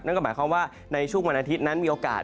นั่นก็หมายความว่าในช่วงวันอาทิตย์นั้นมีโอกาส